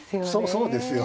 そうですよ